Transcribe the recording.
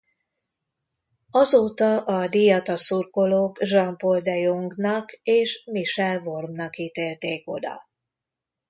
Azóta a díjat a szurkolók Jean-Paul de Jongnak és Michel Vormnak ítélték oda.